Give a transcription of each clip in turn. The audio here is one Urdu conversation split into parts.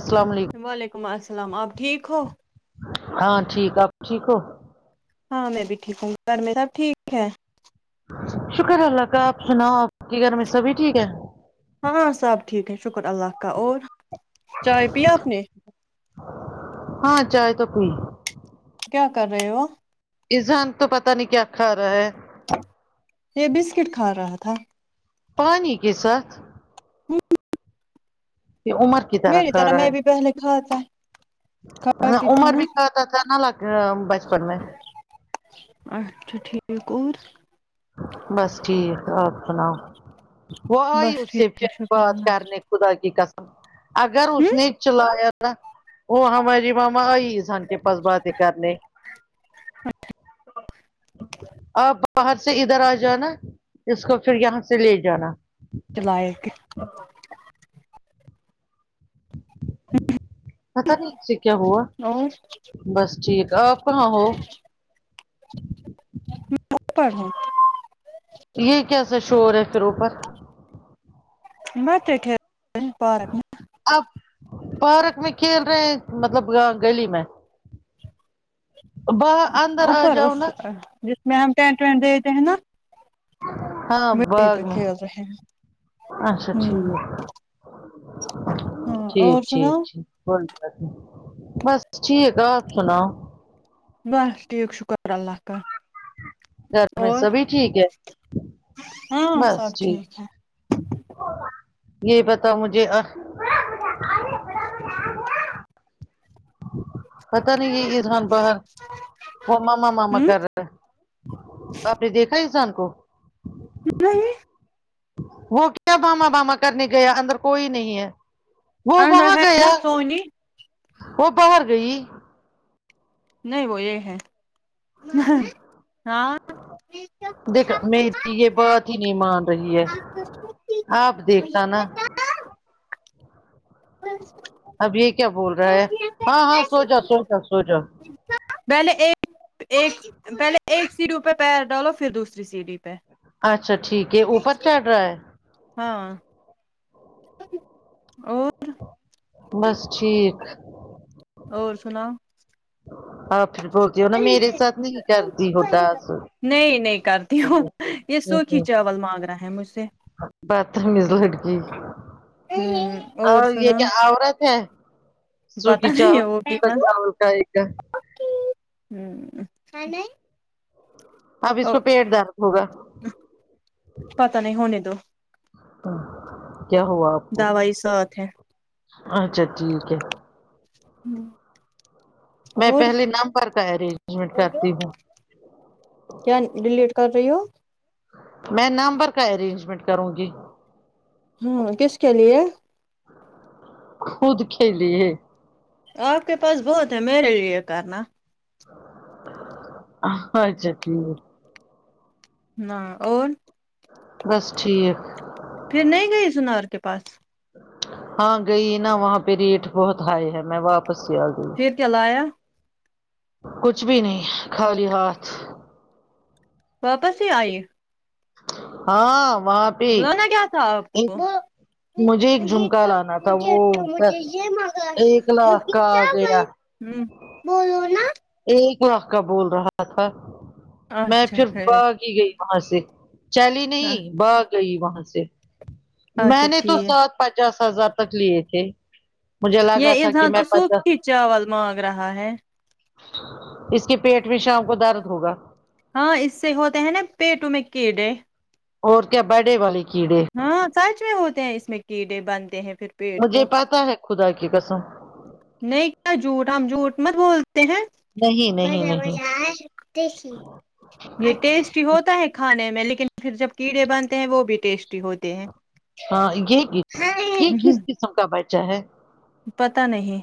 السلام علیکم وعلیکم السلام آپ ٹھیک ہو ہاں ٹھیک آپ ٹھیک ہو ہاں میں بھی ٹھیک ہوںی گھر میں نہ ٹھیک ہے شکر اللہ کا آپ سناؤ آپ کے گھر میں سبھی ٹھیک ہے ہاں سب ٹھیک ہے شکر اللہ کا اور چائے پی آپ نے ہاں چائے تو پی کیا کر رہے ہو اذہان تو پتا نہیں کیا کھا رہا ہے یہ بسکٹ کھا رہا تھا پانی کے ساتھ [unintelligible] یہ عمر میری طرح میں بھی پہلے کھاتا ہاں کھاتی تھی عمر نا بھی کھاتا تھا نہ لگ بچپن میں اچھا ٹھیک ہے اور بس ٹھیک آپ سناؤ وہ آئی بس اس سے پھر ٹھیک شکر بات اللہ کرنے خدا کی قسم اگر کا اس نے چلایا تھا وہ ہماری مما آئی اذہان کے پا س باتیں کرنے اچھا آپ باہر سے ادھر آ جانا اس کو پھر یہاں سے لے جانا چلاۓ کیا پتا نہیں اسے کیا ہوا اور بس ٹھیک اپ کہاں ہو [unintelligible] مت کر یہ کیسا شور ہے پھر اوپر مت ٹھیر پارک میں آپ پارک میں کھیل رہے ہیں مطلب گا گلی میں باہر اندر آ اوپر جاؤ نا ایسا جس میں ہم ٹینٹ وینٹ دیے دیتے ہیں نا ہاں وہیں باغ پہ میں کھیل رہے ہیں اچھا ہوں ٹھیک ہاں ٹھیک اور ٹھیک سناؤ ٹھیک بس ٹھیک ہے آپ سناو بس ٹھیک شکر اللہ کا گھر میں اور سبھی ٹھیک ہے ہاں بس سب ٹھیک ہے یہ بتاؤ مجھے اق پتہ نہیں یہ آسان باہر وہ ماما ماما ہوں کر رہا آپ نے دیکھا ازاں کو جی وہ کیا ماما ماما کرنے گیا اندر کوئی نہیں ہے وہ اندر وہاں ہے نا گیا سونی وہ باہر گئی نہیں وہ یہ ہے ہاں دیکھ میری یہ بات ہی نہیں مان رہی ہے آپ دیکھنا نا اب یہ کیا بول رہا ہے ہاں ہاں سو جاو سو جاو سو جاو پہلے ایک پہلے ایک سیڑھی پہ پیر ڈالو پھر دوسری سیڑھی پہ اچھا ٹھیک ہے اوپر چڑھ رہا ہے ہاں اور بس ٹھیک اور سناؤ آ پھر بولتی ہو نہ میرے ساتھ نہیں کرتی ہو ڈاس نہیں نہیں کرتی ہوں یہ سوکھی چاول مانگ رہا ہے مجھ سے بتمیز لڑکی اور یہ کیا عورت ہے پتا سوکھی ہے وہ بھی ہ چاول چاول کا ایک دانہ اوکے نیہں نہیں اب اس کا پیٹ درد ہوگا پتہ نہیں ہونے دو کیا ہوا آپ کو دوائی ساتھ ہے اچھا ٹھیک ہے امم میں پہلے نمبر کا ارینجمنٹ کرتی ہوں کیا ڈیلیٹ کر رہی ہو میں نمبر کا ارینجمنٹ کروں گی امم کس کے لیے خود کےلیے آپ کے پاس بہت ہے میرے لیے یہ کرنا اچھا ٹھیک ہے ہاں اور بس ٹھیک پھر نہیں گئی سنار کے پاس ہاں گئی نا وہاں پہ ریٹ بہت ہائی ہے میں واپس سے آگیی پھر کیا لایا کچھ بھی نہیں خالی ہاتھ واپس ہی آئیے ہاں واہ لےنا کیا تھا آپ کو مجھے ایک یہ جھمکا تو لانا تھا وہ تو مجھے یہ مگا ایک لاکھ کے کا آ کیا گیا میں بولو نہ ایک لڑکا بول رہا تھا میں اچھا پھر باگ ٹھیک ہی گئی وہاں سے چلی نہیں با گئی وہاں سے اچھا میں نے تو ٹھیک ساتھ پچاس ہزار تک لیے تھے مجھے لگا یہ تھا کہ اذاں میں تو پچاس سوکھی چاول مانگ رہا ہے اس کے پیٹ میں شام کو درد ہوگا ہاں اس سے ہوتے ہیں نا پیٹوں میں کیڑے اور کیا بیڈے والے کیڑے ہاں سچ میں ہوتے ہیں اس میں کیڑے بنتے ہیں پھر پیٹ مجھے کو پتہ ہے خدا کی قسم نہیں کیا جھوٹ ہم جھوٹ مت بولتے ہیں نہیں نہیں بھاںی نہیں آے کشمے یہ ٹیسٹی ہوتا ہے کھانے میں لیکن پھر جب کیڑے بنتے ہیں وہ بھی ٹیسٹی ہوتے ہیں ہاں یہ یہ کس قسم کا بچہ ہے پتہ نہیں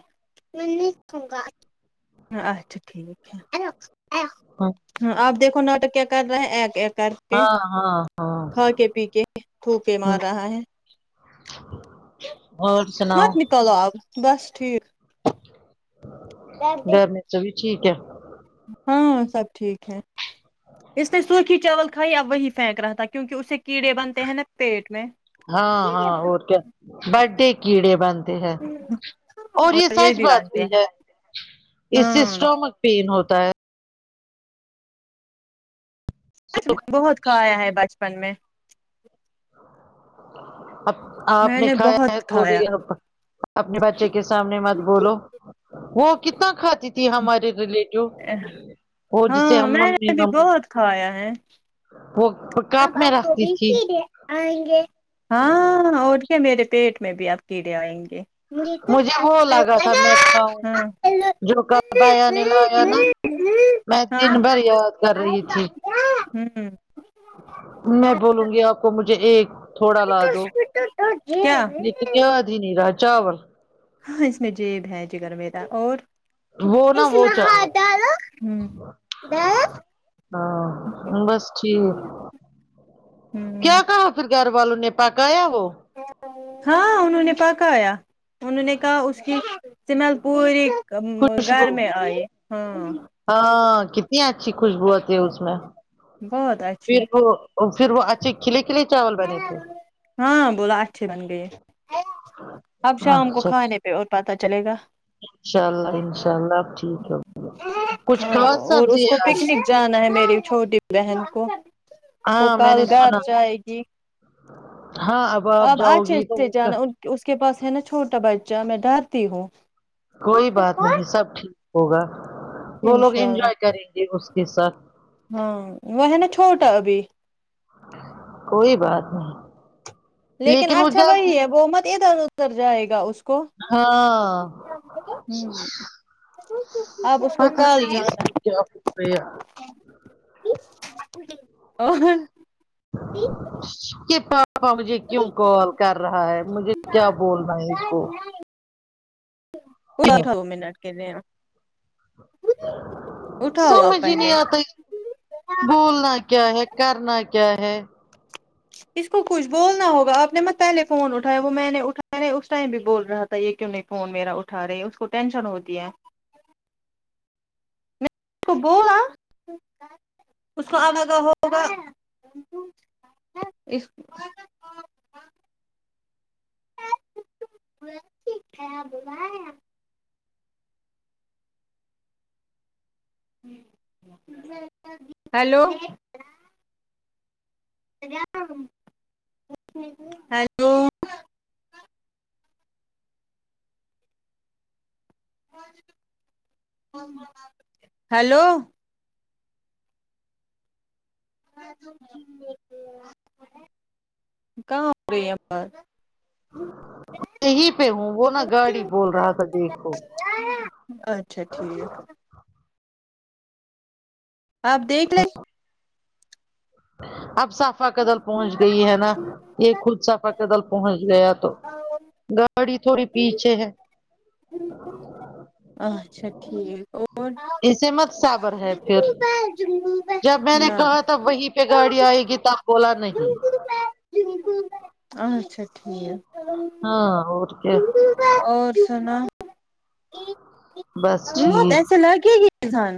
اچھا ٹھیک ہے اےلو اے ہاں ہاں آپ دیکھو نوٹک کیا کر رہے ہیں ایک ایک کر کے ہاں ہاں کھا کے پی کے پھوکے مار ہ رہا ہے اور سناؤ کلو آپ بس ٹھیک گرمی سبھی ٹھیک ہے ہاں سب ٹھیک ہے اس نے سوکھی چاول کھائی اب وہی پھینک رہا تھا کیونکہ اسے کیڑے بنتے ہیں نا پیٹ میں ہاں ہاں اور کیا برڈے کیڑے بنتے ہیں اور یہ سچ بات بھی ہے اس سے ہاں اسٹومک پین ہوتا ہے سچ میں بہت کھایا ہے بچپن میں اب آپ میں نے کھایا ہے بہت کھایا تھوڑی اب اپنے بچے کے سامنے مت بولو وہ کتنا کھاتی تھی ہمارے ریلیٹ جو وہ ہاں جسے ہم میں ممی نے بھی مم بہت وہ کپ اب میں آپ کو رکھتی تھی بسی دیک آئیں گے ہاں اور پھر میرے پیٹ میں بھی اب کیڑے آئیں گے مجھے وہ لگا تھا میں کھاؤں ہاں جو کہبایا نےلایا نا میں دن بھر یاد کر رہی تھی کیا امم امم میں بولوں گی آپ کو مجھے ایک تھوڑا [unintelligible] کیا کیایاد ہی نہیں را چاول ہاں اس میں جیب ہے جگر میرا اور وہ نا اس وہ میں چاول ہاتھ ڈالو ڈا ہاں بس ٹھیک ہوں کیا کہا پھر گھر والوں نے پکایا وہ ہاں انہوں نے پکایا انہوں نے کہا اس کی سمیل پوری ک گھر خوشبو میں آئے ہاں ہاں کتنی اچھی خوشبوت آتی ہے اس میں بہت پھر اچھی وہ اور پھر وہ اچھے کھلے کھلے چاول بنے تھے ہاں بولا اچھے بن گئی اب شام کو اچھا کھانے پہ اور پتہ چلے گا انشاء اللہ انشاء اللہ ٹھیک ہے کچھ ہاں خاص اور اس سبزی کو ہے آج پکنک جانا ہے میری چھوٹی بہن کو وہ ہاں میں کل نے گھر سنا جاںی جی ہاں آپ اب جاؤ آج گی تو سے وہ- جانا ان اس کے پاس ہے نا چھوٹا بچہ میں ڈرتی ہوں کوئی بات نہیں سب ٹھیک ہوگا وہ لوگ انشاء اللہ انجوائے کریں گے اس کے ساتھ ہاں وہ ہے نا چھوٹا ابھی کوئی بات نہیں لیکن وہ اچھا جلدی وہی ہے وہ مت ادھر ادھر جائے گا اس کو ہاں ہوں آپ اس کو پتہ کال نہیں اس کو کیا ہو گیا اور ہے اسکے پاپا مجھے کیوں کال کر رہا ہے مجھے کیا بولنا ہے اس کو [unintelligible] اٹھاؤ آپ سمج ہی پہلے نہیں آتا ہے بولنا ہے کیا ہے کرنا کیا ہے اس کو کچھ بولنا ہوگا آپ نے مت پہلے فون اٹھایا وہ میں نے اٹھائے اس ٹائم بھی بول رہا تھا پتہ نہیں یہ کیوں نہیں فون میرا اٹھا رہی اس کو ٹینشن ہوتی ہے تو بول نہ اس کو آگے کا ہوگا اس [unintelligible] کیا ب [unintelligible] ہیلو ہائے ہیلو کہاں پہ ہو اب یہیں پہ ہوں وہ نا گاڑی بول رہا تھا دیکھو جارہے ہے اچھا ٹھیک آپ دیکھ لیں اب صافہ قدل پہنچ گئی ہے نا یہ خود صافہ قدل پہنچ گیا تو ہاو گاڑی تھوڑی پیچھے ہے اچھا ٹھیک اور اسے دل مت صبر ہے پھر ڈوبا دل ڈوبا ہاں کہ گاڑی آئے گی تق بولا نہیں ہ [unintelligible] آ اچھا ٹھیک ہے ہاں اور کیا اور سناو بس بہت ٹھیک ایسے لگے گی دھیان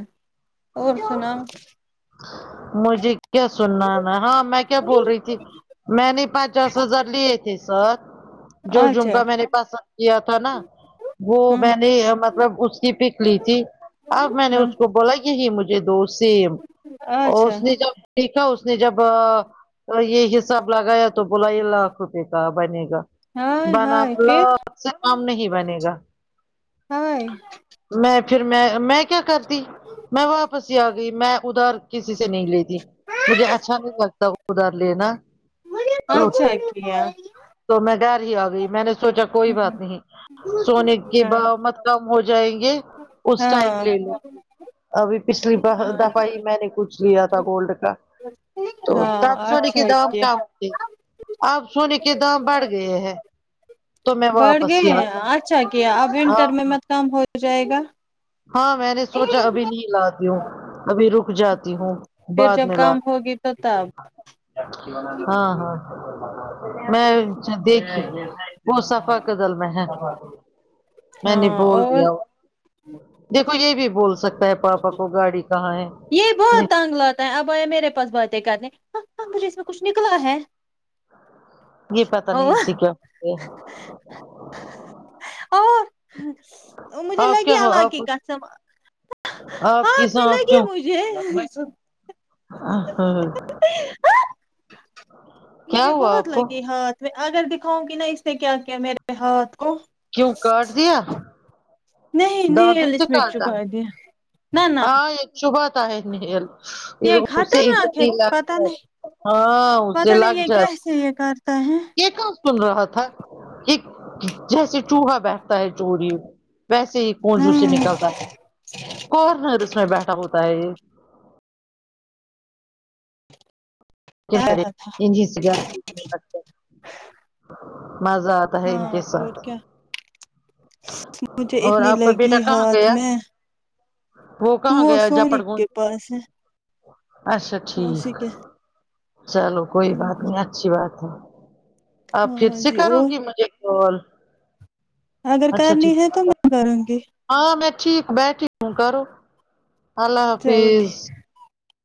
اور سناوں مجھے کیا سنانا ہے ہاں میں کیا بول رہی تھی میں نے پچاس ہزار لیے تھے سر جو اچھا جھمکا میں نے پسند کیا تھا نا وہ ہوں میں نے مطلب اس کی پک لی تھی اب میں نے ہاں اس کو بولا یہی مجھے دو سیم اور اچھا اس نے جب ٹھیکا اس نے جب آ تو یہ حساب لگایا تو بولا یہ لاکھ روپئے کا بنے گا ہائے ہائے پھر بنالب سے کام نہیں بنے گا ہائے میں پھر میں میں کیا کرتی میں واپس ہی آ گئی میں ادھار کسی سے نہیں لیتی مجھے اچھا نہیں لگتا ادھار لینا تو اچھا کیا تو میں گھر ہی آ گئی میں نے سوچا کوئی بات نہیں سونے کی ہاں بہاو مت کم ہو جائیں گے اس ٹائم ہاں لے لو ابھی پچھلی دفعہ ہی میں نے کچھ لیا تھا گولڈ کا تو ہاں تب سونے کے اچھا دام کیا کم تھے اب سونے کے دام بڑھ گئے ہیں تو میں بڑھ واپس ہی گئے آ گئی۔ اچھا کیا اب ونٹر میں ہاں مت کام ہو جائے گا ہاں میں نے سوچا ابھی نہیں لاتی ہوں ابھی رک جا جاتی ہوگی پھر بعد جب میں کام لاتی ہوگی تو تب ہاں ہاں میں دن وہ سفا قدل میں ہے میں نے ہاں بول اور دیا دیکھو یہ بھی بول سکتا ہے پاپا کو گاڑی کہاں ہے یہ بہت تنگ لاتا ہے اب آیا میرے پاس باتیں کرنی ہاں ہاں اس میں کچھ نکلا ہے یہ پتا نہیں اس سے کیا ہاں مجھے آپ کیا لگے اللہ آپ کی قسم آپ کی ہاتھ میں سانس لگی مجھے امم مجھے بہت لگی ہاتھ میں اگر دکھاؤں گی نا اس سے کیا کیا میرے ہاتھ کو کیوں کاٹ دیا نہیں نہیں دانتوں سے الیس منٹ کاٹا چبا دیا نہ نہ ہاں ایک چوباتا ہے نیل یہ دیکھو اسے اتنی خطرناک ہے ہی لگ پتا جات نہیں ہاں اس سے لگ جاتی چی ہے گھر کا ہے یہ کام سن رہا تھا کہ جیسے چوہا بیٹھتا ہے چوری ویسے ہی کونجو ہاں سے نکلتا کارنرس میں بیٹھا ہوتا ہے یہ ےجی س گ [unintelligible] مزہ آتا ہے ان کے ہاں اور ساتھ کیا مجھے اور اتنی آپ کا لگی بیٹا کہاں ہاتھ گیا میں کہاں وہ گیا سونی جپٹ گونج کے پاس ہے اچھا ٹھیک اسی کے چلو کوئی بات نہیں اچھی بات ہے آپ پھر ہاں سے جی کرو اور گی مجھے کال اگر اچھا کرنی ٹھیک ہے تو میں اللہ کروں گی ہاں میں ٹھیک بیٹھی ہوں کرو اللہ چلو حافظ